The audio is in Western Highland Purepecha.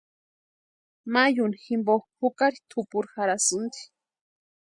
Mayuni jimpo jukari tʼupuri jarhasïnti.